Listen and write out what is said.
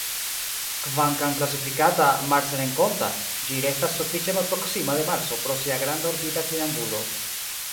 Kvankam klasifikata "marsrenkonta", ĝi restas sufiĉe malproksima de Marso pro sia granda orbita klinangulo.